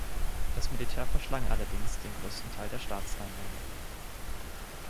Das Militär verschlang allerdings den größten Teil der Staatseinnahmen.